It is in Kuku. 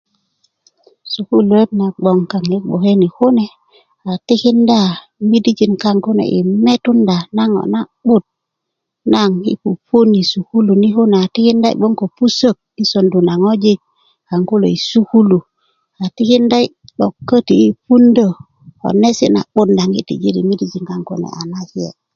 sukuluwöt na gboŋ kaaŋ yi gboke ni kune a tikinda midijin kaŋ kune yi metunda ŋo na'but naŋ yi' pupuun yi sukulu ni kune a tikinda yi gboŋ ko pusö yi sondu na na ŋwajik kaŋ kulo yi sukulu atikinda yi 'dok köti yi puundö pusök konesi' naŋ yi tijiri midijin kaŋ kune nake'